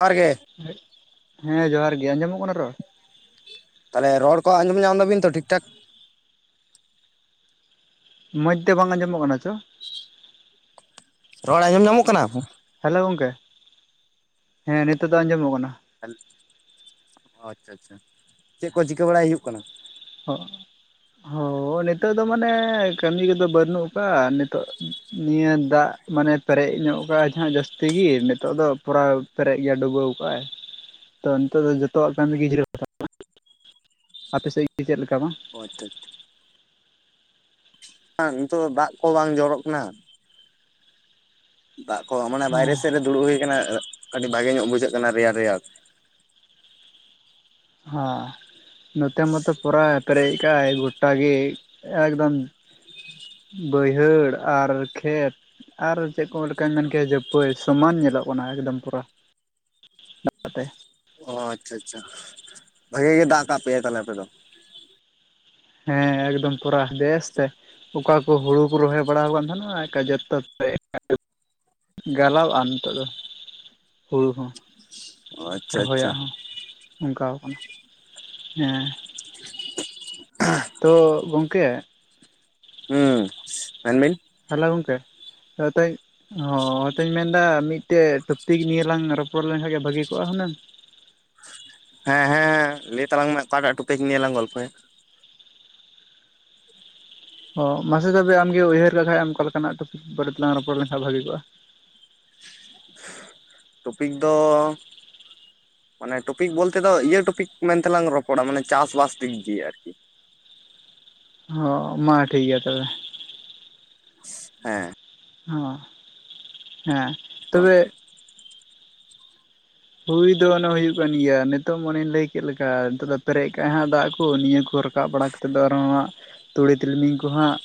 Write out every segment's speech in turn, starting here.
ᱵᱟᱨ ᱜᱮ᱾ [unintelligible] ᱦᱮᱸ ᱡᱚᱦᱟᱨ ᱜᱮ ᱟᱸᱡᱚᱢᱚᱜ ᱠᱟᱱᱟ ᱨᱚᱲ? ᱛᱟᱦᱚᱞᱮ ᱨᱚᱲ ᱠᱚ ᱟᱸᱡᱚᱢ ᱧᱟᱢᱫᱟᱵᱤᱱ ᱛᱚ ᱴᱷᱤᱠ ᱴᱷᱟᱠ? ᱢᱚᱡᱽᱛᱮ ᱵᱟᱝ ᱟᱸᱡᱚᱢᱚᱜ ᱠᱟᱱᱟ ᱪᱚ? ᱨᱚᱲ ᱟᱸᱡᱚᱢ ᱧᱟᱢᱚᱜ ᱠᱟᱱᱟ? ᱦᱮᱞᱳ ᱜᱚᱝᱠᱮ, ᱦᱮᱸ ᱱᱤᱛᱳᱜ ᱫᱚ ᱟᱸᱡᱚᱢᱚᱜ ᱠᱟᱱᱟ᱾ [unintelligible] ᱟᱪᱪᱷᱟ ᱟᱪᱪᱷᱟ ᱪᱮᱫ ᱠᱚ ᱪᱤᱠᱟᱹ ᱵᱟᱲᱟᱭ ᱦᱩᱭᱩᱜ ᱠᱟᱱᱟ? [unintelligible] ᱦᱳ ᱱᱤᱛᱚᱜ ᱫᱚ ᱢᱟᱱᱮ ᱠᱟᱹᱢᱤ ᱠᱚᱫᱚ ᱵᱟᱹᱱᱩᱜ ᱟᱠᱟᱫᱼᱟ ᱱᱤᱛᱚᱜ ᱱᱤᱭᱟᱹ ᱫᱟᱜ ᱢᱟᱱᱮ ᱯᱮᱨᱮᱡ ᱧᱚᱜ ᱠᱟᱜᱼᱟ ᱡᱟᱦᱟᱸ ᱡᱟᱹᱥᱛᱤ ᱜᱮ ᱱᱤᱛᱚᱜ ᱫᱚ ᱯᱚᱨᱟ ᱯᱮᱨᱮᱡ ᱜᱮᱭᱟ ᱰᱩᱵᱟᱹᱣ ᱟᱠᱟᱜᱼ ᱟᱭ᱾ ᱛᱚ ᱱᱤᱛᱚᱜ ᱫᱚ ᱡᱚᱛᱚᱣᱟᱜ ᱠᱟᱹᱢᱤ ᱡᱤᱨᱟᱹᱣ ᱟᱯᱮᱥᱮᱫ ᱜᱮ ᱪᱮᱫ ᱞᱮᱠᱟ ᱵᱟᱝ? [unintelligible] ᱵᱟᱝ ᱱᱤᱛᱚᱜ ᱫᱚ ᱫᱟᱜ ᱠᱚ ᱵᱟᱝ ᱡᱚᱨᱚᱜ ᱠᱟᱱᱟ᱾ ᱫᱟᱜ ᱠᱚ ᱢᱟᱱᱮ ᱵᱟᱭᱨᱮ ᱥᱮᱫ ᱨᱮ ᱫᱩᱲᱩᱵ ᱦᱩᱭ ᱠᱟᱱᱟ ᱾ ᱟᱹᱰᱤ ᱵᱷᱟᱜᱮ ᱧᱚᱜ ᱵᱩᱡᱷᱟᱹᱜ ᱠᱟᱱᱟ ᱨᱮᱭᱟᱲ, ᱨᱮᱭᱟᱲ ᱾ ᱦᱚᱸ ᱱᱚᱛᱮ ᱢᱟᱛᱚ ᱯᱚᱨᱟ ᱯᱮᱨᱮᱡ ᱟᱠᱟᱜᱼᱟᱭ ᱜᱚᱴᱟ ᱜᱮ ᱾ ᱮᱠᱫᱚᱢ ᱵᱟᱹᱭᱦᱟᱹᱲ ᱟᱨ ᱠᱷᱮᱛ ᱾ ᱟᱨ ᱪᱮᱫ ᱠᱚ ᱞᱮᱠᱟᱧ ᱢᱮᱱ ᱠᱮᱭᱟ ᱡᱮ ᱯᱟᱹᱭ ᱥᱚᱢᱟᱱ ᱧᱮᱞᱚᱜ ᱠᱟᱱᱟ ᱮᱠᱫᱚᱢ ᱯᱚᱨᱟ᱾ [inaudible] ᱚ ᱟᱪᱪᱷᱟ, ᱟᱪᱪᱷᱟ᱾ ᱵᱷᱟᱜᱤ ᱜᱮ ᱫᱟᱜ ᱠᱟᱜ ᱯᱮᱭᱟ ᱛᱟᱦᱚᱞᱮ ᱟᱯᱮ ᱫᱚ᱾ ᱦᱮᱸ ᱮᱠᱫᱚᱢ ᱯᱚᱨᱟ ᱵᱮᱥ ᱛᱮ ᱾ ᱚᱠᱟ ᱠᱚ ᱦᱳᱲᱩ ᱠᱚ ᱨᱚᱦᱚᱭ ᱵᱟᱲᱟ ᱟᱠᱟᱱ ᱛᱟᱸᱦᱮᱱᱟ ᱡᱚᱛᱚ [inaudible] ᱜᱟᱞᱟᱣᱼᱟ ᱱᱤᱛᱚᱜ ᱫᱚ ᱦᱩᱰᱩ ᱦᱚᱸ᱾ ᱚ ᱟᱪᱪᱷᱟ ᱟᱪᱪᱷᱟ ᱨᱚᱦᱚᱭᱟᱜ ᱦᱚᱸ ᱚᱝᱠᱟ ᱟᱠᱟᱱᱟ᱾ ᱦᱮᱸ ᱾ [inaudible] ᱛᱚ ᱜᱚᱝᱠᱮ ᱦᱩᱸ ᱢᱮᱱ ᱵᱤᱱ ᱦᱮᱞᱳ ᱜᱚᱝᱠᱮ [unintelligible] ᱦᱚᱸ ᱢᱮᱱ ᱫᱟᱹᱧ ᱢᱤᱫᱴᱮᱡ ᱴᱚᱯᱤᱠ ᱱᱤᱭᱟᱹ ᱞᱟᱝ ᱨᱚᱯᱚᱲ ᱞᱮᱱᱠᱷᱟᱱ ᱜᱮ ᱵᱷᱟᱹᱜᱤ ᱠᱚᱜᱼᱟ ᱦᱩᱱᱟᱹᱝ᱾ ᱦᱮᱸ, ᱦᱮᱸ, ᱦᱮᱸ ᱞᱟ. ᱭ ᱛᱟᱞᱟᱝ ᱢᱮ ᱚᱠᱟᱴᱟᱜ ᱴᱚᱯᱤᱠ ᱱᱤᱭᱟᱹ ᱞᱟᱝ ᱜᱚᱞᱯᱚᱭᱟ? ᱚ ᱢᱟᱥᱮ ᱛᱚᱵᱮ ᱟᱢᱜᱮ ᱩᱭᱦᱟᱹᱨ ᱞᱮᱠᱷᱟ ᱮᱢ ᱚᱠᱟ ᱞᱮᱠᱟᱱᱟᱜ ᱴᱚᱯᱤᱠ ᱵᱟᱨᱮ ᱛᱮᱞᱟᱝ ᱨᱚᱯᱚᱲ ᱞᱮᱱᱷᱟᱱ ᱵᱷᱟᱜᱤ ᱠᱚᱜᱼᱟ᱾ ᱴᱚᱯᱤᱠ ᱫᱚ ᱢᱟᱱᱮ ᱴᱚᱯᱤᱠ ᱵᱚᱞᱛᱮ ᱫᱚ ᱤᱭᱟᱹ ᱴᱚᱯᱤᱠ ᱢᱮᱱ ᱛᱮᱞᱟᱝ ᱨᱚᱯᱚᱲᱟ ᱢᱟᱱᱮ ᱪᱟᱥ ᱵᱟᱥ ᱫᱤᱠ ᱫᱤᱭᱮ ᱟᱨᱠᱤ ᱾ ᱦᱚᱸ ᱢᱟ ᱴᱷᱤᱠ ᱜᱮᱭᱟ ᱛᱚᱵᱮ ᱦᱮᱸ ᱾ ᱦᱚᱸ ᱦᱮᱸ ᱵᱟᱝ ᱛᱚᱵᱮ ᱦᱩᱭ ᱫᱚ ᱚᱱᱮ ᱦᱩᱭᱩᱜ ᱠᱟᱱ ᱜᱮᱭᱟ᱾ ᱱᱤᱛᱚᱜ ᱢᱚᱱᱮᱧ ᱞᱟᱹᱭ ᱠᱮᱫ ᱞᱮᱠᱟ, ᱱᱤᱛᱚᱜ ᱫᱚ ᱯᱮᱨᱮᱡ ᱠᱟᱱᱟ ᱦᱟᱜ ᱫᱟᱜ ᱠᱚ ᱱᱤᱭᱟᱹ ᱠᱚ ᱨᱟᱠᱟᱵ ᱵᱟᱲᱟ ᱠᱟ ᱛᱮᱫ ᱫᱚ ᱟᱨ ᱦᱚᱸ ᱦᱟᱸᱜ ᱛᱩᱲᱤ ᱛᱤᱞᱢᱤᱧ ᱠᱚ ᱦᱟᱸᱜ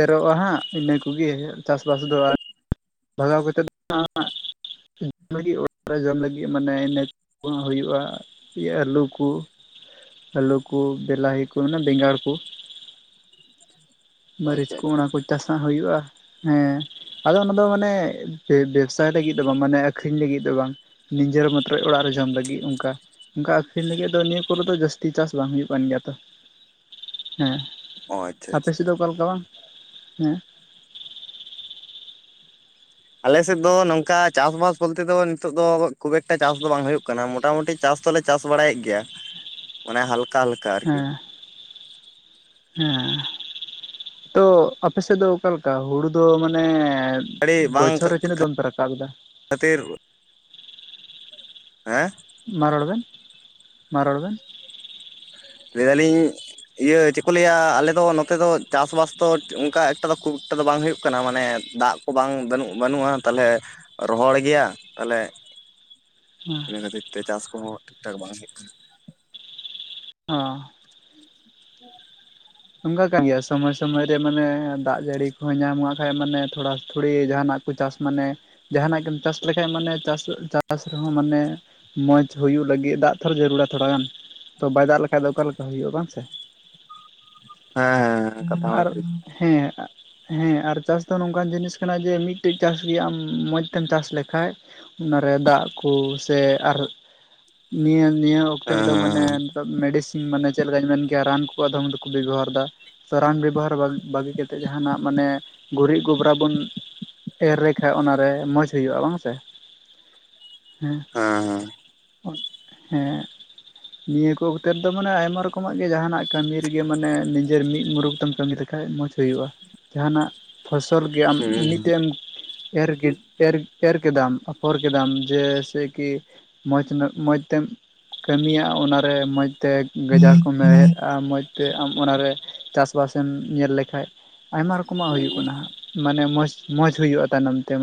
ᱮᱨᱚᱜᱼᱟ ᱦᱟᱸᱜ ᱤᱱᱟᱹ ᱠᱚᱜᱮ ᱪᱟᱥ ᱵᱟᱥ ᱫᱚ ᱵᱷᱟᱜᱟᱣ ᱠᱟᱛᱮᱫ ᱦᱟᱸᱜ [inaudible] ᱚᱲᱟᱜ ᱨᱮ ᱡᱚᱢ ᱞᱟᱹᱜᱤᱫ ᱢᱟᱱᱮ ᱤᱱᱟ ᱦᱩᱭᱩᱜᱼᱟ ᱤᱭᱟᱹ ᱟᱞᱩ ᱠᱚ ᱟᱞᱩ ᱠᱚ ᱵᱮᱞᱟᱦᱤ ᱠᱚ ᱚᱱᱟ ᱵᱮᱸᱜᱟᱲ ᱠᱚ ᱾ [inaudible] ᱚ ᱢᱟᱹᱨᱤᱪ ᱟᱪᱪᱷᱟ ᱠᱚ ᱟᱪᱪᱷᱟ ᱚᱱᱟ ᱠᱚ ᱪᱟᱥᱟᱜ ᱦᱩᱭᱩᱜᱼᱟ ᱦᱮᱸ ᱾ ᱟᱫᱚ ᱟᱱᱟ ᱫᱚ ᱢᱟᱱᱮ ᱵᱮᱵᱥᱟᱭ ᱞᱟᱹᱜᱤᱫ ᱫᱚ ᱵᱟᱝ, ᱢᱟᱱᱮ ᱟᱹᱠᱷᱨᱤᱧ ᱞᱟᱹᱜᱤᱫ ᱫᱚ ᱵᱟᱝ ᱾ ᱱᱤᱡᱮᱨ ᱢᱚᱭᱚᱢ ᱚᱲᱟᱜ ᱨᱮ ᱡᱚᱢ ᱞᱟᱹᱜᱤᱫ ᱚᱱᱠᱟ ᱾ ᱚᱱᱠᱟ ᱟᱹᱠᱷᱨᱤᱧ ᱞᱟᱹᱜᱤᱫ ᱫᱚ ᱱᱤᱭᱟᱹ ᱠᱚᱨᱮ ᱫᱚ ᱡᱟᱹᱥᱛᱤ ᱪᱟᱥ ᱵᱟᱝ ᱦᱩᱭᱩᱜ ᱠᱟᱱ ᱜᱮᱭᱟ ᱛᱚ ᱾ ᱦᱮᱸ ᱚ ᱟᱪᱪᱷᱟ ᱾ ᱟᱯᱮ ᱟᱪᱪᱷᱟ ᱥᱮᱫ ᱫᱚ ᱚᱠᱟ ᱞᱮᱠᱟ ᱵᱟᱝ ᱦᱮᱸ ᱾ ᱟᱞᱮ ᱥᱮᱫ ᱫᱚ ᱱᱚᱝᱠᱟ ᱪᱟᱥᱵᱟᱥ ᱵᱚᱞᱛᱮ ᱫᱚ ᱱᱤᱛᱚᱜ ᱫᱚ ᱠᱷᱩᱵ ᱮᱠᱴᱟ ᱪᱟᱥ ᱫᱚ ᱵᱟᱝ ᱦᱩᱭᱩᱜ ᱠᱟᱱᱟ᱾ ᱢᱚᱴᱟᱢᱩᱴᱤ ᱪᱟᱥ ᱫᱚ ᱞᱮ ᱪᱟᱥ ᱵᱟᱲᱟᱭᱮᱫ ᱜᱮᱭᱟ᱾ ᱢᱟᱱᱮ ᱦᱟᱞᱠᱟ ᱦᱟᱞ ᱦᱮᱸ ᱾ ᱦᱮᱸ ᱛᱚ ᱟᱯᱮ ᱥᱮᱫ ᱫᱚ ᱚᱠᱟ ᱞᱮᱠᱟ ᱦᱩᱲᱩ ᱫᱚ ᱢᱟᱱᱮ ᱟᱹᱰᱤ ᱵᱟᱝ ᱵᱚᱪᱷᱚᱨ ᱨᱮ ᱛᱤᱱᱟᱹᱜ ᱫᱚᱢ ᱯᱮ ᱨᱟᱠᱟᱵ ᱮᱫᱟ? ᱠᱷᱟᱹᱛᱤᱨ ᱦᱮᱸ ᱢᱟ ᱨᱚᱲ ᱵᱮᱱ, ᱢᱟ ᱨᱚᱲ ᱵᱮᱱ ᱾ ᱞᱟᱹᱭ ᱫᱟᱞᱤᱧ ᱤᱭᱟᱹ ᱪᱮᱫ ᱠᱚ ᱞᱟᱹᱭᱟ ᱟᱞᱮ ᱫᱚ ᱱᱚᱛᱮ ᱫᱚ ᱪᱟᱥ ᱵᱟᱥ ᱫᱚ ᱚᱱᱠᱟ ᱮᱠᱴᱟ ᱫᱚ ᱠᱷᱩᱵ ᱮᱠᱴᱟ ᱫᱚ ᱵᱟᱝ ᱦᱩᱭᱩᱜ ᱠᱟᱱᱟ᱾ ᱢᱟᱱᱮ ᱫᱟᱜ ᱠᱚ ᱵᱟᱝ ᱵᱟᱹᱱᱩᱜ ᱵᱟᱹᱱᱩᱜᱼᱟ, ᱛᱟᱦᱚᱞᱮ ᱨᱚᱦᱚᱲ ᱜᱮᱭᱟ ᱛᱟᱦᱚᱞᱮ ᱦᱮᱸ ᱤᱱᱟᱹ ᱠᱷᱟᱹᱛᱤᱨ ᱛᱮ ᱪᱟᱥ ᱠᱚᱦᱚᱸ ᱴᱷᱤᱠᱼᱴᱷᱟᱠ ᱵᱟᱝ ᱦᱩᱭᱩᱜ ᱠᱟᱱᱟ ᱾ ᱦᱚᱸ ᱾ [inaudible] ᱚᱝᱠᱟ ᱠᱟᱱ ᱜᱮᱭᱟ ᱥᱚᱢᱳᱭ ᱥᱚᱢᱳᱭ ᱨᱮ ᱢᱟᱱᱮ ᱫᱟᱜ ᱡᱟᱹᱲᱤ ᱠᱚᱦᱚᱸ ᱧᱟᱢ ᱠᱟᱜ ᱠᱷᱟ ᱢᱟᱱᱮ ᱛᱷᱚᱲᱟ ᱛᱷᱚᱲᱤ ᱡᱟᱦᱟᱱᱟᱜ ᱠᱩ ᱪᱟᱥ ᱢᱟᱱᱮ ᱡᱟᱦᱟᱱᱟᱜ ᱜᱮᱢ ᱪᱟᱥ ᱞᱮᱠᱷᱟᱡ ᱢᱟᱱᱮ ᱪᱟᱥ ᱪᱟᱥ ᱨᱮᱦᱚᱸ ᱢᱟᱱᱮ ᱢᱚᱸᱡᱽ ᱦᱩᱭᱩᱜ ᱞᱟᱹᱜᱤᱫ ᱫᱟᱜ ᱛᱷᱚ ᱡᱟᱹᱨᱩᱲᱟ ᱛᱷᱚᱲᱟ ᱜᱟᱱ ᱛᱚ ᱵᱟᱭ ᱫᱟᱜ ᱞᱮᱠᱷᱟᱱ ᱫᱚ ᱚᱠᱟᱞᱮᱠᱟ ᱦᱩᱭᱩᱜᱼᱟ ᱵᱟᱝᱥᱮ! ᱦᱮᱸ ᱦᱮᱸ ᱦᱮᱸ, ᱠᱟᱛᱷᱟ ᱢᱟ ᱟᱨ ᱴᱷᱤᱠ ᱦᱮᱸ ᱾ ᱦᱮᱸ, ᱟᱨ ᱪᱟᱥ ᱫᱚ ᱱᱚᱝᱠᱟᱱ ᱡᱤᱱᱤᱥ ᱠᱟᱱᱟ ᱡᱮ ᱢᱤᱫᱴᱮᱡ ᱪᱟᱥ ᱜᱮ ᱟᱢ ᱢᱚᱸᱡᱽ ᱛᱮᱢ ᱪᱟᱥ ᱞᱮᱠᱟᱡ ᱚᱱᱟᱨᱮ ᱫᱟᱜ ᱠᱩ ᱥᱮ ᱟᱨ ᱱᱤᱭᱟᱹ ᱱᱤᱭᱟᱹ ᱚᱠᱛᱮ ᱨᱮᱫᱚ ᱢᱟᱱᱮ ᱦᱮᱸ ᱱᱮᱛᱚᱜ ᱢᱮᱰᱤᱥᱤᱝ ᱢᱟᱱᱮ ᱪᱮᱫ ᱞᱮᱠᱟᱧ ᱢᱮᱱᱠᱮᱜ-ᱟ ᱨᱟᱱ ᱠᱚᱠᱚ ᱟᱫᱷᱚᱢ ᱫᱩᱠᱩ ᱵᱤᱵᱚᱦᱟᱨ ᱫᱟ ᱥᱮ ᱨᱟᱱ ᱵᱮᱵᱚᱦᱟᱨ ᱵᱟ ᱵᱟᱹᱜᱤ ᱠᱟᱛᱮᱜ ᱡᱟᱦᱟᱱᱟᱜ ᱢᱟᱱᱮ ᱜᱩᱨᱤᱜ ᱜᱚᱵᱽᱨᱟ ᱵᱚᱱ ᱮᱨ ᱨᱮᱠᱷᱟᱜ ᱚᱱᱟᱨᱮ ᱢᱚᱸᱡᱽ ᱦᱩᱭᱩᱜᱼᱟ ᱵᱟᱝ ᱥᱮ? ᱦᱮᱸ ᱾ ᱦᱮᱸ ᱦᱮᱸ ᱾ ᱦᱮᱸ ᱾ ᱱᱤᱭᱟᱹ ᱠᱚ ᱚᱠᱛᱮ ᱨᱮ ᱫᱚ ᱢᱟᱱᱮ ᱟᱭᱢᱟ ᱨᱚᱠᱚᱢᱟᱜ ᱜᱮ ᱡᱟᱦᱟᱱᱟᱜ ᱠᱟᱹᱢᱤ ᱨᱮᱜᱮ ᱢᱟᱱᱮ ᱱᱤᱡᱮᱨ ᱢᱤᱫ ᱢᱩᱨᱩᱠ ᱛᱮᱢ ᱠᱟᱹᱢᱤ ᱞᱮᱠᱟᱡ ᱢᱚᱸᱡᱽ ᱦᱩᱭᱩᱜᱼᱟ, ᱡᱟᱦᱟᱱᱟᱜ ᱯᱷᱚᱥᱚᱞ ᱜᱮ ᱟᱢ ᱦᱮᱸ ᱦᱮᱸ ᱢᱤᱫᱴᱮᱢ ᱮᱨ ᱜᱤ ᱮᱨ ᱮᱨ ᱠᱮᱫᱟᱢ ᱟᱯᱷᱚᱨ ᱠᱮᱫᱟᱢ ᱡᱮ ᱥᱮ ᱠᱤ ᱢᱚᱡᱽ ᱱᱚᱜ ᱢᱚᱡᱽᱛᱮᱢ ᱠᱟᱹᱢᱤᱭᱟ ᱚᱱᱟᱨᱮ ᱢᱚᱡᱽ ᱛᱮ ᱜᱟᱡᱟᱲ ᱠᱚᱢ ᱦᱮᱲᱦᱮᱫᱼᱟ ᱢᱚᱡᱽ ᱛᱮ ᱟᱢ ᱚᱱᱟᱨᱮ ᱪᱟᱥ ᱵᱟᱥᱮᱢ ᱧᱮᱞ ᱞᱮᱠᱷᱟᱡ ᱟᱭᱢᱟ ᱨᱚᱠᱚᱢᱟᱜ ᱦᱩᱭᱩᱜ ᱠᱟᱱᱟ ᱦᱟᱸᱜ, ᱢᱟᱱᱮ ᱢᱚᱸᱥ ᱢᱚᱸᱡᱽ ᱦᱩᱭᱩᱜᱼᱟ ᱛᱟᱭᱱᱚᱢ ᱛᱮ